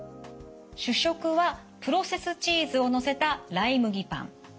主食はプロセスチーズをのせたライ麦パン。